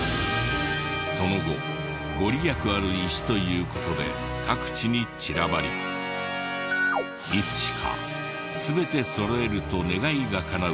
その後御利益ある石という事で各地に散らばりいつしか全てそろえると願いが叶う